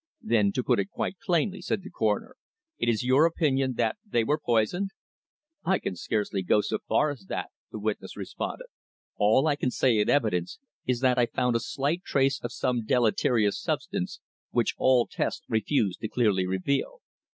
"Then, to put it quite plainly," said the Coroner, "it is your opinion that they were poisoned?" "I can scarcely go so far as that," the witness responded. "All I can say in evidence is that I found a slight trace of some deleterious substance which all tests refused to clearly reveal.